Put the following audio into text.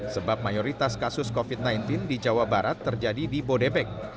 sebab mayoritas kasus covid sembilan belas di jawa barat terjadi di bodebek